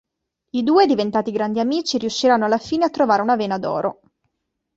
I due, diventati grandi amici, riusciranno alla fine a trovare una vena d'oro.